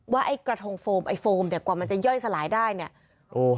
ไอ้กระทงโฟมไอโฟมเนี่ยกว่ามันจะย่อยสลายได้เนี่ยโอ้